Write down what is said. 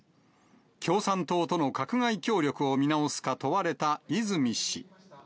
共産党との閣外協力を見直すか問われた泉氏。